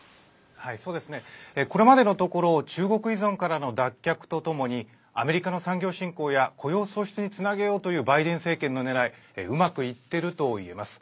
これまでのところ中国依存からの脱却とともにアメリカの産業振興や雇用創出につなげようというバイデン政権の狙いうまくいっているといえます。